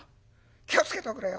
『気を付けておくれよ！』。